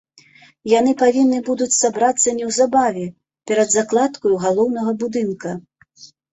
Яны павінны будуць сабрацца неўзабаве, перад закладкаю галоўнага будынка.